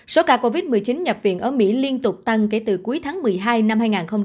số ca covid một mươi chín nhập viện ở mỹ liên tục tăng kể từ cuối tháng một mươi hai năm hai nghìn hai mươi